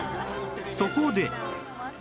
そこで